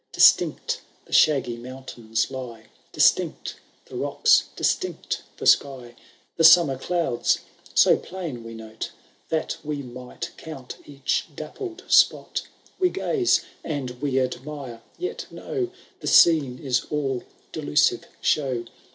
Distinct the shaggy mountains lie. Distinct the rocks, distinct the sky ; The tommer clouds so plain we note. That we might count each dappled spot : We gaze and we admire, yet know The scene is all delusive show.